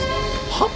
はっ？